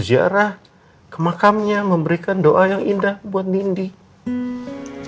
ziarah ke makamnya memberikan doa yang indah buat nindi